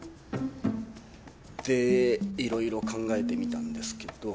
でいろいろ考えてみたんですけど。